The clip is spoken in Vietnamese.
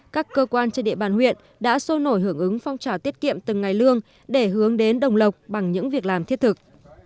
các cơ quan trên địa bàn huyện đã sôi nổi hưởng ứng phong trào tiết kiệm từng ngày lương để hướng đến đồng lộc bằng những việc làm thiết thực